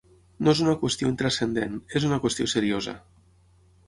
No és una qüestió intranscendent, és una qüestió seriosa.